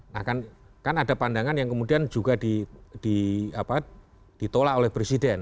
nah kan ada pandangan yang kemudian juga ditolak oleh presiden